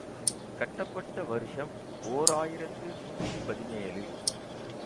கட்டப் பட்ட வருஷம் ஓர் ஆயிரத்து நூற்றி பதினேழு .